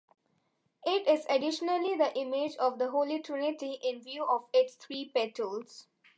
It is additionally the image of Holy Trinity in view of its three petals.